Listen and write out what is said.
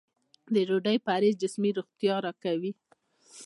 د ډوډۍ پرهېز جسمي روغتیا راکوي.